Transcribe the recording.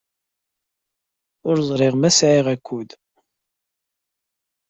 Ur ẓriɣ ma sɛiɣ akud.